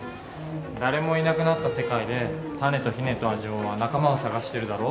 誰もいなくなった世界でタネとヒネとアジオは仲間を探してるだろ？